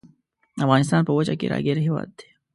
افغانستان په وچه کې ګیر هیواد دی.